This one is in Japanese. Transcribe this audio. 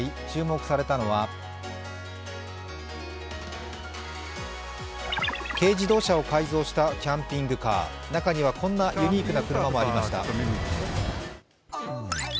注目されたのは軽乗用車を改造したキャンピングカー中にはこんなユニークな車もありました。